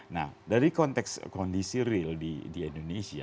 nah dari kondisi real di indonesia